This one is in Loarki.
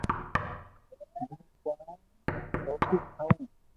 ھون ڪوئي روٽي کاو